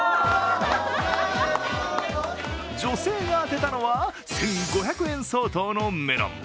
女性が当てたのは１５００円相当のメロン。